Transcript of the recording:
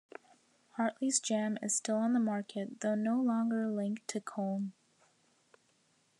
"Hartley's Jam" is still on the market though no longer linked to Colne.